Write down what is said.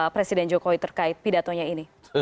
presiden jokowi terkait pidatonya ini